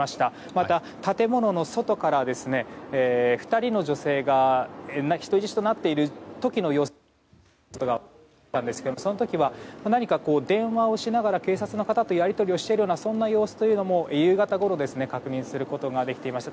また、建物の外から２人の女性が人質となっている時の様子ですがその時は電話をしながら警察の方とやり取りをしているような様子も夕方ごろ、確認することができていました。